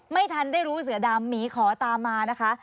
ไม่ทันได้รู้เสือดำหมีขอตามมานะคะ